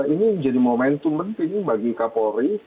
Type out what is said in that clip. ini menjadi momentum penting bagi kapolri